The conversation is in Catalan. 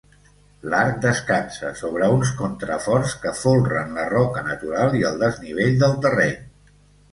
L'arc descansa sobre uns contraforts que folren la roca natural i el desnivell del terreny.